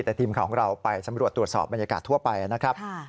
แต่ทีมข่าวของเราไปสำรวจตรวจสอบบรรยากาศทั่วไปนะครับ